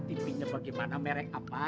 tv nya bagaimana merek apa